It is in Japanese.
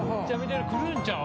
来るんちゃう？